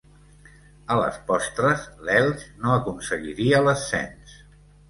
A les postres, l'Elx no aconseguiria l'ascens.